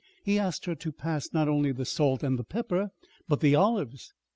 He asked her to pass not only the salt and the pepper, but the olives.